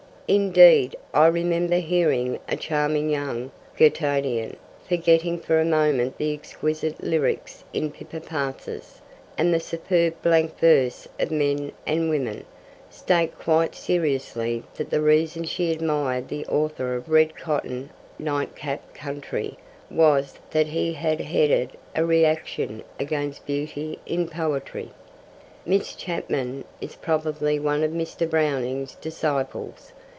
Indeed I remember hearing a charming young Girtonian, forgetting for a moment the exquisite lyrics in Pippa Passes, and the superb blank verse of Men and Women, state quite seriously that the reason she admired the author of Red Cotton Night Cap Country was that he had headed a reaction against beauty in poetry! Miss Chapman is probably one of Mr. Browning's disciples.